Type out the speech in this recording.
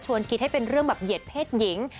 คิดให้เป็นเรื่องแบบเหยียดเพศหญิง